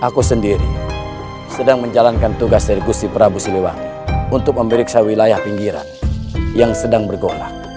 aku sendiri sedang menjalankan tugas dari gusi prabu siliwangi untuk memeriksa wilayah pinggiran yang sedang bergona